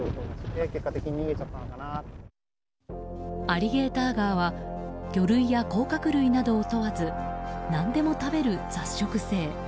アリゲーターガーは魚類や甲殻類などを問わず何でも食べる雑食性。